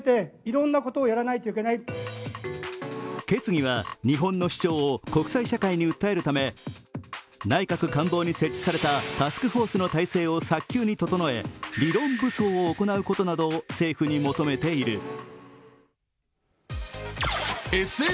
決議は日本の主張を国際社会に訴えるため、内閣官房に設置されたタスクフォースの体制を早急に整え早急に整え理論武装を行うことなどを政府に求めている。